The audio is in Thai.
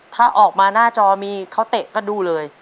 ถ้าออกมาหน้าจอมีเขาเตะก็ดูเลย